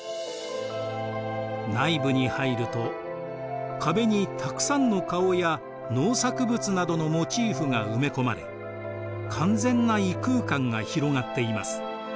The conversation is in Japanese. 内部に入ると壁にたくさんの顔や農作物などのモチーフが埋め込まれ完全な異空間が広がっています。